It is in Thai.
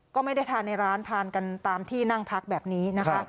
ก็ไม่ได้ทานในร้านทานกันตามที่นั่งพักแบบนี้นะคะ